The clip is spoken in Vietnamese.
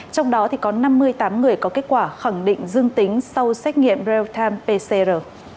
trong đó có năm mươi tám người có kết quả khẳng định dương tính sau xét nghiệm real time pcr